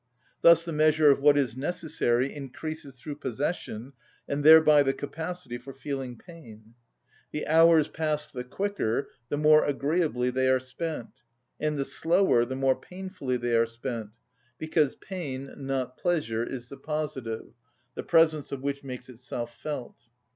Thus the measure of what is necessary increases through possession, and thereby the capacity for feeling pain. The hours pass the quicker the more agreeably they are spent, and the slower the more painfully they are spent; because pain, not pleasure, is the positive, the presence of which makes itself felt.